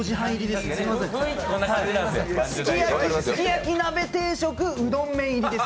すき焼き鍋定食うどん麺入りです。